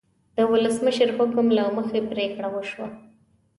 د ولسمشر حکم له مخې پریکړه وشوه.